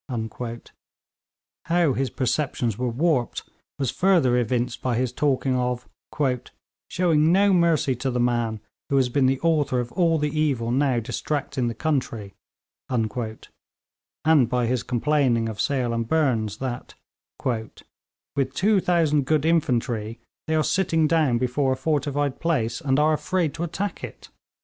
How his perceptions were warped was further evinced by his talking of 'showing no mercy to the man who has been the author of all the evil now distracting the country,' and by his complaining of Sale and Burnes that, 'with 2000 good infantry, they are sitting down before a fortified place, and are afraid to attack it.'